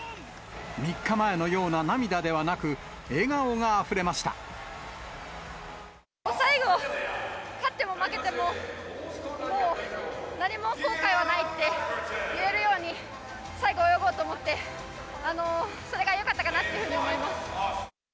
３日前のような涙ではなく、最後、勝っても負けても、もう何も後悔はないって言えるように、最後、泳ごうと思って、それがよかったかなっていうふうに思います。